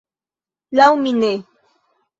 Laŭ mi ne.